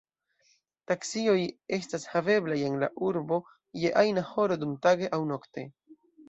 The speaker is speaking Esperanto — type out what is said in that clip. Taksioj estas haveblaj en la urbo je ajna horo dumtage aŭ nokte.